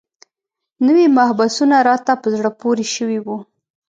نوي مبحثونه راته په زړه پورې شوي وو.